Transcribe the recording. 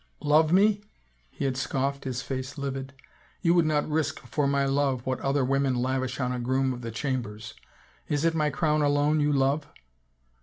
" Love me ?" he had scoffed, his face livid. " You would not risk for my love what other women lavish on a groom of the chambers ... is it my crown alone you love